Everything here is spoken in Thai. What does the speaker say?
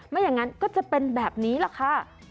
ไม่อย่างนั้นก็จะเป็นแบบนี้แหละค่ะ